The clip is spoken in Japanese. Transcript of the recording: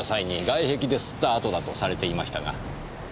外壁で擦った跡だとされていましたが。